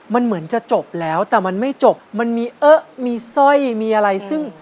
มันเหมือนจะจบแล้วแต่มันไม่จบมันมีเอ๊ะมีสร้อยมีอะไรซึ่ง